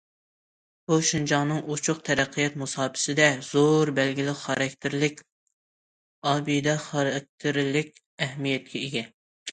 بۇ، شىنجاڭنىڭ ئوچۇق تەرەققىيات مۇساپىسىدە زور بەلگە خاراكتېرلىك، ئابىدە خاراكتېرلىك ئەھمىيەتكە ئىگە.